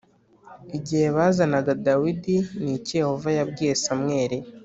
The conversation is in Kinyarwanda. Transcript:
Igihe bazanaga Dawidi ni iki Yehova yabwiye Samweli